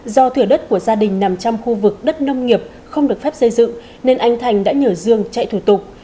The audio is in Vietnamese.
do thửa đất của gia đình nằm trong khu vực đất nông nghiệp không được phép xây dựng nên anh thành đã nhờ dương chạy thử tục